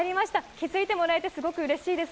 気づいてもらえて、すごく嬉しいです。